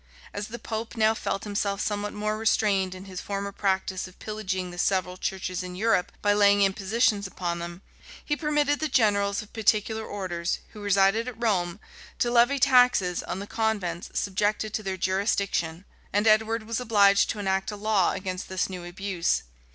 As the pope now felt himself somewhat more restrained in his former practice of pillaging the several churches in Europe by laying impositions upon them, he permitted the generals of particular orders, who resided at Rome, to levy taxes on the convents subjected to their jurisdiction; and Edward was obliged to enact a law against this new abuse.